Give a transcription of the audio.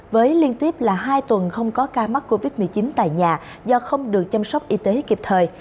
với liên tiếp là hai tuần không có ca mắc covid một mươi chín tại nhà do không được chăm sóc y tế kịp thời